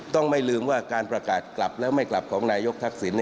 ไม่ลืมว่าการประกาศกลับแล้วไม่กลับของนายกทักษิณ